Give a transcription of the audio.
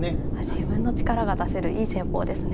自分の力が出せるいい戦法ですね。